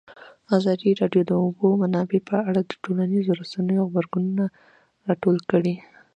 ازادي راډیو د د اوبو منابع په اړه د ټولنیزو رسنیو غبرګونونه راټول کړي.